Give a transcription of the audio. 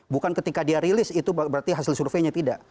bukan ketika dia rilis itu berarti hasil surveinya tidak